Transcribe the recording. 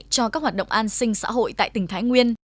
cho các hoạt động an sinh xã hội tại tỉnh thái nguyên